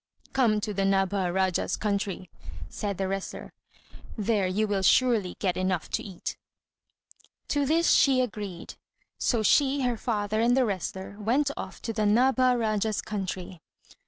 "Come to the Nabha Rájá's country," said the wrestler. "There you will surely get enough to eat." To this she agreed; so she, her father, and the wrestler went off to the Nabha Rájá's country.